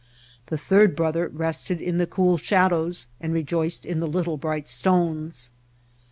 The third brother rested in the cool shadows and rejoiced in the little bright stones."